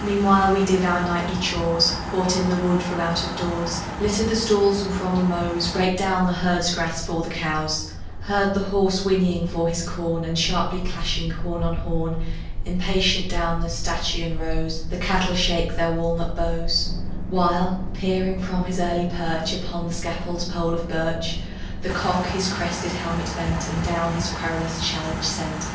Meanwhile we did our nightly chores, Brought in the wood from out of doors, Littered the stalls, and from the mows Raked down the herd's grass for the cows: Heard the horse whinnying for his corn; And, sharply clashing horn on horn, Impatient down the stanchion rows The cattle shake their walnut bows; While, peering from his early perch Upon the scaffold's pole of birch, The cock his crested helmet bent And down his querulous challenge sent.